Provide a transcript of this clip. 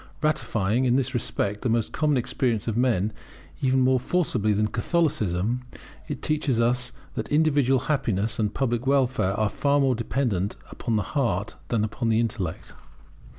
Ratifying, in this respect, the common experience of men even more forcibly than Catholicism, it teaches us that individual happiness and public welfare are far more dependent upon the heart than upon the intellect.